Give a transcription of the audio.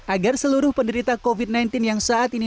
agar seluruh penderita covid sembilan belas yang saat ini